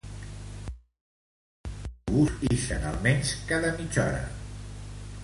Els dos autobusos ixen almenys cada mitja hora.